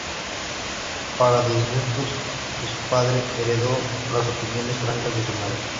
Para disgusto de su padre, heredó las opiniones francas de su madre.